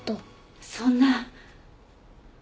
そんな。